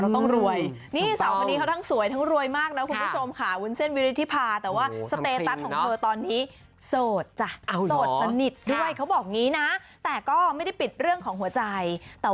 เพราะว่ากว่าเราจะสวยนี่ต้องรวย